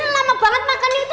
lama banget makannya itu